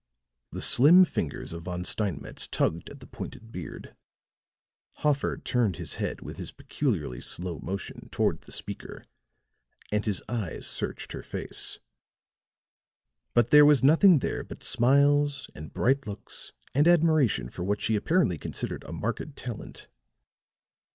The slim fingers of Von Steinmetz tugged at the pointed beard; Hoffer turned his head with his peculiarly slow motion toward the speaker and his eyes searched her face. But there was nothing there but smiles and bright looks and admiration for what she apparently considered a marked talent.